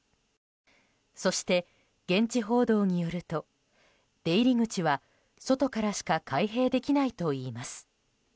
そして、現地報道によると出入り口は外からしか開閉できないといいます。